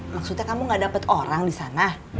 maksudnya kamu gak dapet orang disana